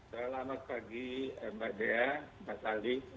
selamat pagi mbak dea mbak sali